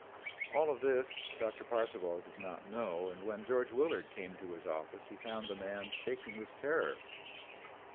All of this, Doctor Parcival did not know and when George Willard came to his office he found the man shaking with terror.